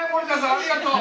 ありがとう。